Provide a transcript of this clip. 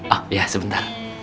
oh ya sebentar